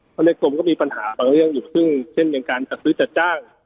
เพราะเลขกรมก็มีปัญหาบางเรื่องอยู่ซึ่งเช่นอย่างการจัดซื้อจัดจ้าง